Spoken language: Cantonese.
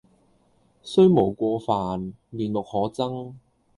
雖無過犯，面目可憎